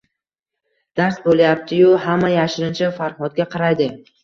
Dars bo`layapti-yu, hamma yashirincha Farhodga qaraydi